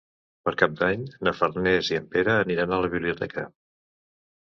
Per Cap d'Any na Farners i en Pere aniran a la biblioteca.